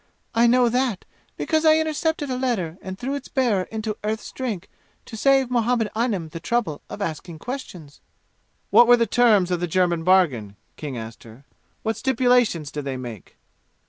I know that because I intercepted a letter and threw its bearer into Earth's Drink to save Muhammad Anim the trouble of asking questions." "What were the terms of the German bargain?" King asked her. "What stipulations did they make?"